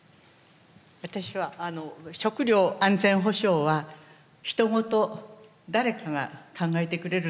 私は食料安全保障は他人事誰かが考えてくれるだろう